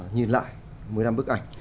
nhìn lại một mươi năm bức ảnh